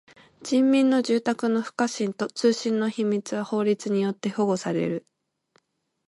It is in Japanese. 人民の住宅の不可侵と通信の秘密は法律によって保護される。